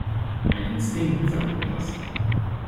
Mein Instinkt sagt mir das.